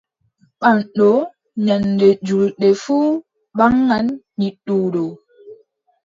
Ɓaŋɗo nyannde juulde fuu ɓaŋan nyidduɗo.